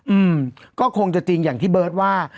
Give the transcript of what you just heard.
อืมก็คงจะจริงอย่างที่เบิร์ตว่า